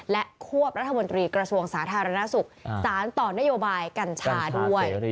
และควบรัฐมนตรีกระทรวงสาธารณสุขสารต่อนโยบายกัญชาด้วย